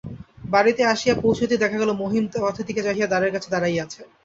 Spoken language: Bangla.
বাড়িতে আসিয়া পৌঁছিতেই দেখা গেল মহিম পথের দিকে চাহিয়া দ্বারের কাছে দাঁড়াইয়া আছেন।